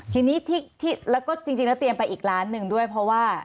ทีนี้แล้วก็จริงแล้วเตรียมไปอีกล้านหนึ่งด้วยเพราะว่า